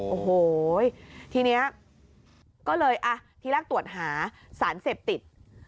โอ้โหทีนี้ก็เลยอ่ะทีแรกตรวจหาสารเสพติด